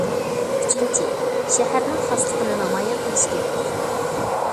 ئۈچىنچى، شەھەرنىڭ خاسلىقىنى نامايان قىلىش كېرەك.